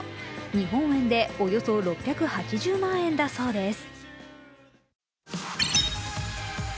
日本円でおよそ６８０万円だそうです